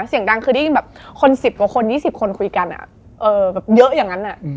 เสียงดังคือที่แบบคนสิบกว่าคนยี่สิบคนคุยกันอะเยอะอย่างนั้นอะ